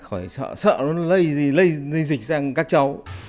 khỏi sợ nó lây dịch sang các cháu